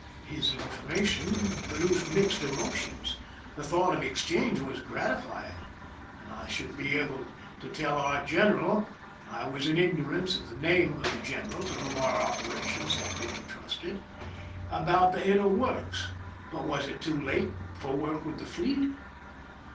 His information produced mixed emotions. The thought of ex change was gratifying, and I should be a,ble to tell our general (I was in ignorance of the name of the general to whom our operations had been intrusted) 288 PEISON LIFE THE SIE^E about the inner works ; but was it too late for work with the fleet